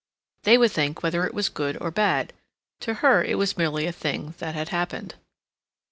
They would think whether it was good or bad; to her it was merely a thing that had happened.